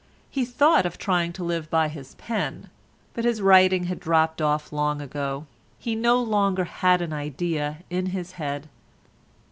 He thought of trying to live by his pen, but his writing had dropped off long ago; he no longer had an idea in his head.